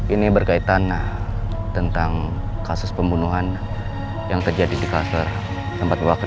ini berkaitan tentang kasus pembunuhan yang terjadi di kasus tempat bewa kerja